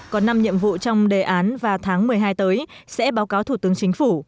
có năm nhiệm vụ trong đề án và tháng một mươi hai tới sẽ báo cáo thủ tướng chính phủ